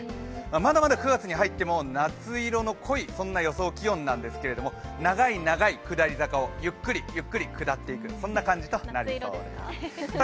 まだまだ９月に入っても夏色の濃い、そんな予想気温なんですけど、長い長い下り坂をゆっくりゆっくり下っていくそんな感じです。